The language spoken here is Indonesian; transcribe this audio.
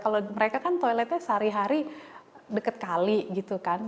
kalau mereka kan toiletnya sehari hari deket kali gitu kan